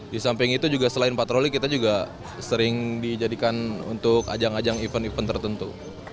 di samping itu juga selain patroli kita juga sering dijadikan untuk ajang ajang event event tertentu